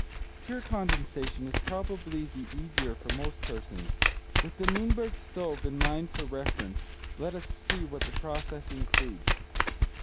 Pure condensation is probably the easier for most persons. With The Nürnberg Stove in mind for reference, let us see what the process includes.